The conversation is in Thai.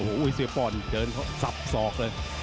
อุ๊ยเซียปอร์อีกเกินทรัพย์สอบเลย